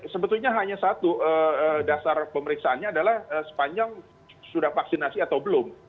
sebetulnya hanya satu dasar pemeriksaannya adalah sepanjang sudah vaksinasi atau belum